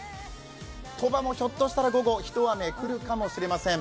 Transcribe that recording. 鳥羽もひょっとしたら午後、一雨来るかもしれません。